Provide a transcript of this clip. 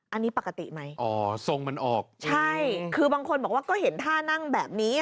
อันนี้ปกติไหมอ๋อทรงมันออกใช่คือบางคนบอกว่าก็เห็นท่านั่งแบบนี้